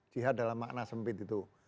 jihad dalam makna sempit itu